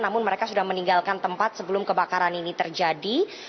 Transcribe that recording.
namun mereka sudah meninggalkan tempat sebelum kebakaran ini terjadi